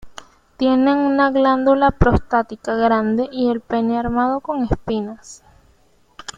Tienen una glándula prostática grande, y el pene armado con espinas.